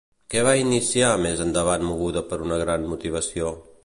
Què va iniciar més endavant moguda per una gran motivació?